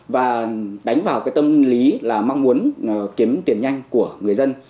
và đánh vào cái tâm lý là mong muốn kiếm tiền nhanh của người dân